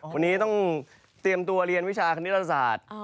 วันนี้ต้องเตรียมตัวเรียนวิชาคณิตศาสตร์